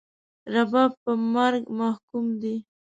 رباب په مرګ محکوم دی